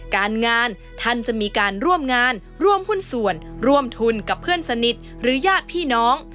การงานท่านจะมีการร่วมงานร่วมหุ้นส่วนร่วมทุนกับเพื่อนสนิทหรือญาติพี่น้อง